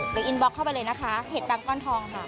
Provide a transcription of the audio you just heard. หรืออินบล็อกเข้าไปเลยนะคะเห็ดปังก้อนทอง